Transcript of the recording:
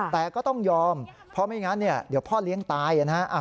แต่ก็ต้องยอมเพราะไม่งั้นเดี๋ยวพ่อเลี้ยงตายนะฮะ